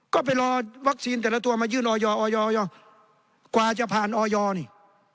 ก็ไปรอวัคซีนแต่ละตัวมายื่นออยอร์ออยอร์ออยอร์กว่าจะผ่านออยอร์นี่